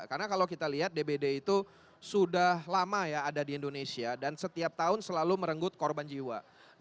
karena kalau kita lihat dbd itu sudah lama ya ada di indonesia dan setiap tahun selalu merenggut korban jiwa